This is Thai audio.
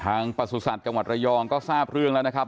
ทางประสุทธิ์กรรมรยองก็ทราบเรื่องแล้วนะครับ